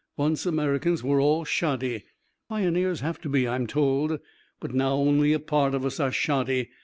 Once Americans were all shoddy pioneers have to be, I'm told but now only a part of us are shoddy.